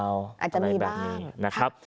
อาจจะมีบ้างนะครับนะครับ